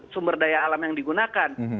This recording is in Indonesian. sumber daya alam yang digunakan